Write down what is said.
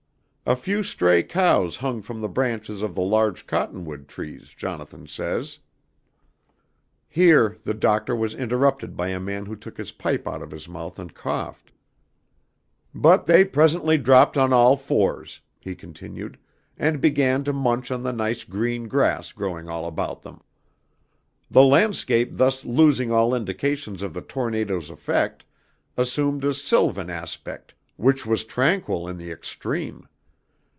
"A few stray cows hung from the branches of the large cottonwood trees, Jonathan says...." Here the Doctor was interrupted by a man who took his pipe out of his mouth and coughed. "But they presently dropped on all fours," he continued, "and began to munch on the nice green grass growing all about them. "The landscape thus losing all indications of the tornado's effect, assumed a sylvan aspect which was tranquil in the extreme.